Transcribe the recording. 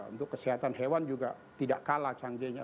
untuk kesehatan hewan juga tidak kalah canggihnya